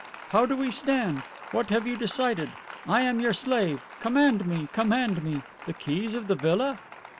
How do we stand? What have you decided? I am your slave. Command me. Command me. The keys of the villa?"